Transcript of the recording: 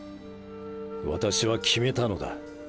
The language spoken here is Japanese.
私は決めたのだ。